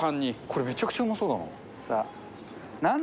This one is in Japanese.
これめちゃくちゃうまそうだな。